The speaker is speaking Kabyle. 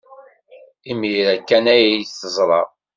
Imir-a kan ay t-yeẓra.